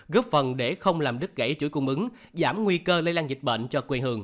góp phần để không làm đứt gãy chuỗi cung ứng giảm nguy cơ lây lan dịch bệnh